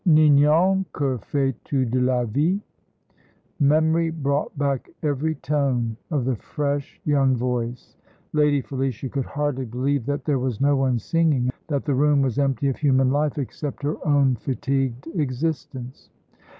"Ninon, que fait tu de la vie?" Memory brought back every tone of the fresh young voice. Lady Felicia could hardly believe that there was no one singing, that the room was empty of human life, except her own fatigued existence.